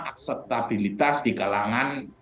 akseptabilitas di kalangan